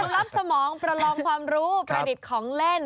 รับสมองประลองความรู้ประดิษฐ์ของเล่น